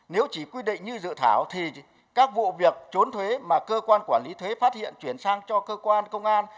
nếu chỉ quy định như dự thảo thì các vụ việc trốn thuế mà cơ quan quản lý thuế phát hiện chuyển sang cho cơ quan công an